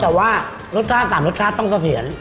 แต่ว่ารสชาติ๓รสชาติต้องเสถียร